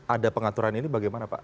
ada pengaturan ini bagaimana pak